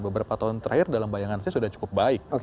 beberapa tahun terakhir dalam bayangan saya sudah cukup baik